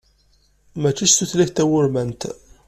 Mačči s tutlayt tawurmant.